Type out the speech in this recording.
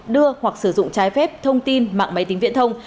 đưa hoặc sử dụng trái phép thông tin mạng máy tính viễn thông